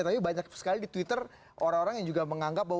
tapi banyak sekali di twitter orang orang yang juga menganggap bahwa